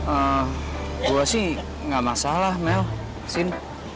eh gue sih gak masalah mel kesini